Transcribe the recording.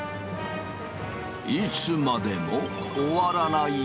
いつまでも終わらない！